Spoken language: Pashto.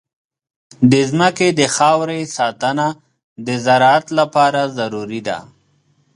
د ځمکې د خاورې ساتنه د زراعت لپاره ضروري ده.